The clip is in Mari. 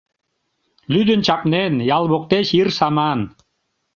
Лӱдын чакнен ял воктеч ир саман.